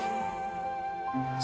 baiklah aku akan mengingat itu